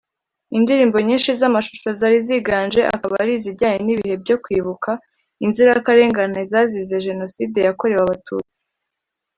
Indirimbo nyinshi z’amashusho zari ziganje akaba ari izijyanye n’ibihe byo kwibuka inzirakarengane zazize Jenoside yakorewe Abatutsi